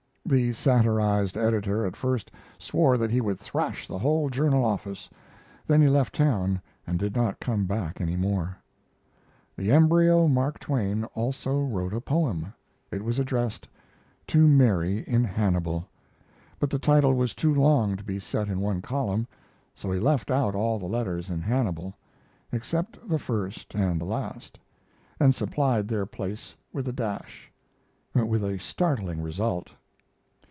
The satirized editor at first swore that he would thrash the whole journal office, then he left town and did not come back any more. The embryo Mark Twain also wrote a poem. It was addressed "To Mary in Hannibal," but the title was too long to be set in one column, so he left out all the letters in Hannibal, except the first and the last, and supplied their place with a dash, with a startling result.